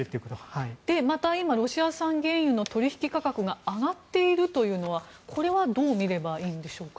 また今ロシア産原油の取引価格が上がっているというのはこれはどう見ればいいんでしょうか？